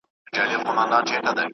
سم نیت غوسه نه زیاتوي.